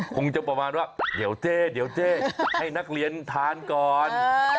คงจะประมาณว่าเดี๋ยวเจ๊ให้นักเรียนทานก่อน